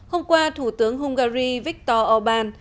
hôm qua thủ tướng hungary viktor orbán